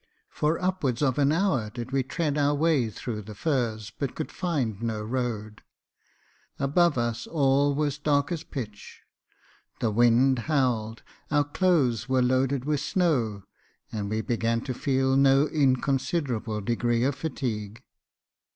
For upwards of an hour did we tread our way through the furze, but could find no road. Above us all was dark as pitch ; the wind howled ; our clothes were loaded with snow ; and we began to feel no inconsiderable degree of fatigue.